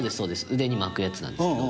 腕に巻くやつなんですけど。